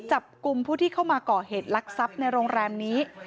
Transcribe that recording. จับกลุ่มผู้ที่เข้ามาก่อเหตุลักษัพในโรงแรมนี้